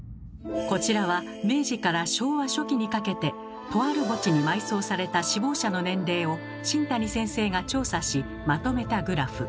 こちらは明治から昭和初期にかけてとある墓地に埋葬された死亡者の年齢を新谷先生が調査しまとめたグラフ。